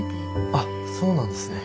あっそうなんですね。